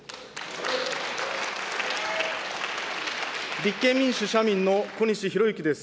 立憲民主・社民の小西洋之です。